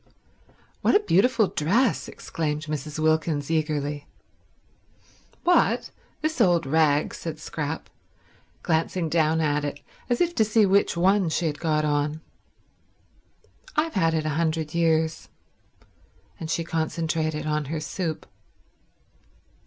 "What a beautiful dress!" exclaimed Mrs. Wilkins eagerly. "What—this old rag?" said Scrap, glancing down at it as if to see which one she had got on. "I've had it a hundred years." And she concentrated on her soup.